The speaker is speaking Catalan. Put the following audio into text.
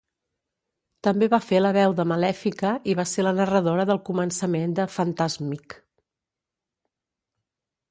També va fer la veu de Malèfica i va ser la narradora del començament de "Fantasmic".